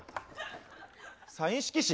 サイン色紙？